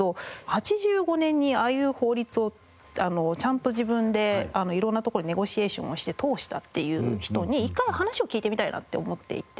８５年にああいう法律をちゃんと自分で色んなところにネゴシエーションをして通したっていう人に一回話を聞いてみたいなって思っていて。